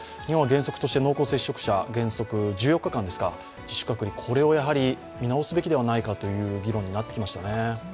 日本は原則として濃厚接触者１４日間、自主隔離、これをやはり見直すべきではないかという議論になってきましたね。